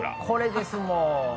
これです、もう。